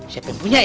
siapa yang punya ya